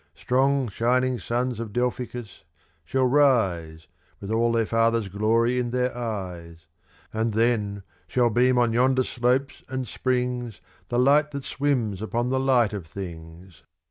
Strong, shining sons of Delphicus shall rise With all their father's glory in their eyes; And then shall beam on yonder slopes and springs The light that swims upon the light of things.